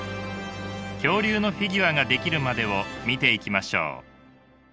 恐竜のフィギュアが出来るまでを見ていきましょう。